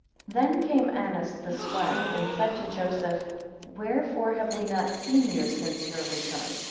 THEN came Annas the scribe, and said to Joseph, Wherefore have we not seen you since your return?